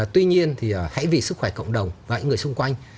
tuy nhiên thì hãy vì sức khỏe cộng đồng và những người xung quanh